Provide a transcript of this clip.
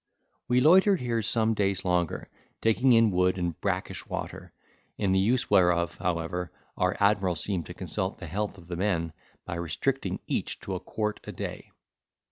We loitered here some days longer, taking in wood and brackish water, in the use whereof, however, our admiral seemed to consult the health of the men, by restricting each to a quart a day.